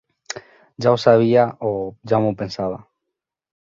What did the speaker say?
Ja ho sabia, o ja m'ho pensava.